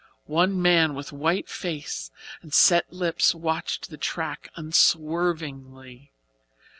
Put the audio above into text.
One man with white face and set lips watched the track unswervingly.